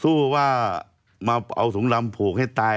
สู้ว่ามาเอาถุงดำผูกให้ตาย